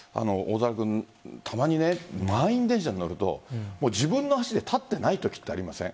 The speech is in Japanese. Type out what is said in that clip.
たまに満員電車に乗ると自分の足で立っていないときありません？